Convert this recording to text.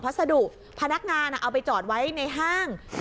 พัสดุพนักงานนะเอาไปจอดไว้ในห้างที่